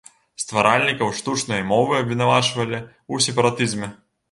Стваральнікаў штучнай мовы абвінавачвалі ў сепаратызме.